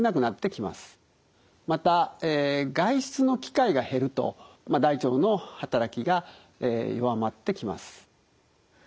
またえ外出の機会が減るとまあ大腸の働きが弱まってきます。